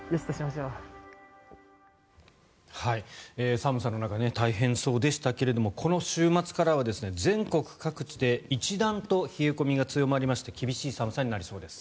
寒さの中大変そうでしたけれどもこの週末からは全国各地で一段と冷え込みが強まりまして厳しい寒さになりそうです。